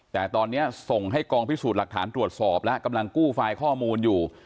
แต่ตอนนี้ส่งให้กองพิสูจน์หลักฐานตรวจสอบแล้วกำลังกู้ไฟล์ข้อมูลอยู่